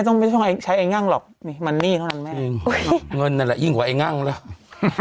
เงินนั่นแหละยิ่งกว่าไอ้งั่งแล้ว